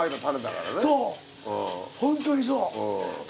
そうホントにそう。